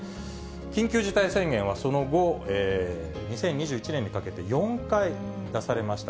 緊急事態宣言はその後、２０２１年にかけて４回出されました。